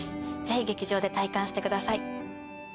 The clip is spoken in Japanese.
ぜひ劇場で体感してください。